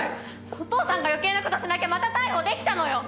お父さんが余計なことしなきゃまた逮捕できたのよ！